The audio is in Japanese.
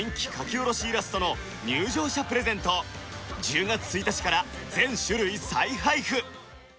下ろしイラストの入場者プレゼントを１０月１日から全種類再配布！